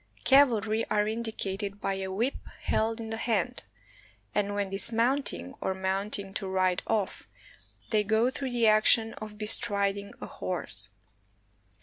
Cavalry are indicated by a whip held in the hand, and when dismounting, or mounting to ride off, they go through the action of be striding a horse.